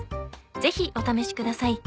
ぜひお試しください。